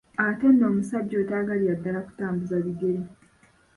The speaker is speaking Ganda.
Ate nno omusajja oyo tayagalira ddala kutambuza bigere.